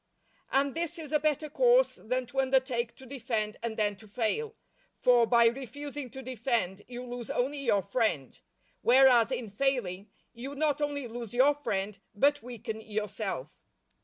And this is a better course than to undertake to defend and then to fail; for by refusing to defend, you lose only your friend; whereas in failing, you not only lose your friend, but weaken yourself.